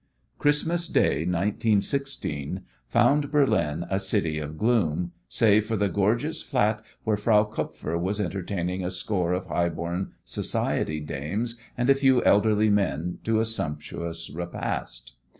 Christmas Day, 1916, found Berlin a city of gloom, save for the gorgeous flat where Frau Kupfer was entertaining a score of high born society dames and a few elderly men to a sumptuous repast.